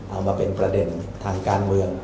เอามาเป็นประเด็นทางการเมือง